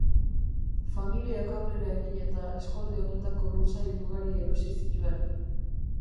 Familiak aurrera egin eta eskualde honetako lursail ugari erosi zituen.